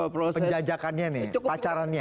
penjajakannya nih pacarannya